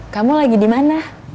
kamu lagi dimana